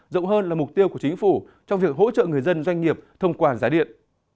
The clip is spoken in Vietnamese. rộng hơn là mục tiêu của chính phủ trong việc hỗ trợ người dân doanh nghiệp thông qua giá điện